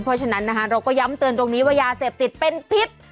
เพราะฉะนั้นนะคะเราก็ย้ำเตือนตรงนี้ว่ายาเสพติดเป็นพิษ